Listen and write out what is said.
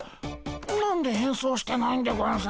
何で変装してないんでゴンス？